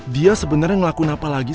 dia sebenernya ngelakuin apa lagi sih